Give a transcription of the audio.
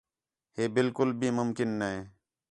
ہے بالکل بھی ممکن نے